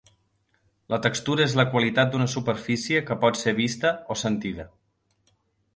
La textura és la qualitat d'una superfície que pot ser vista o sentida.